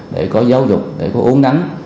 để có giáo dục để có uống nắng